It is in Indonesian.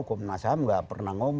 komenasaham tidak pernah ngomong